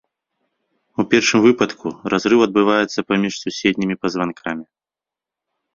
У першым выпадку разрыў адбываецца паміж суседнімі пазванкамі.